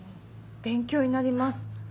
勉強になります。